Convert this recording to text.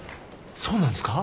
そうなんですか？